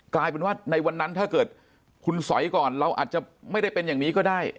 กลายเป็นว่าในวันนั้นถ้าเกิดคุณสอยก่อนเราอาจจะไม่ได้เป็นอย่างนี้ก็ได้